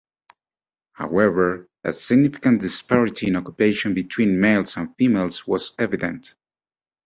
However, a significant disparity in occupation between males and females was evident.